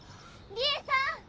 ・里恵さん！